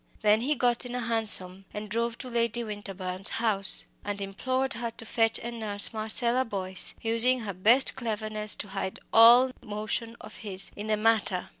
Then he got into a hansom, and drove to Lady Winterbourne's house, and implored her to fetch and nurse Marcella Boyce, using her best cleverness to hide all motion of his in the matter.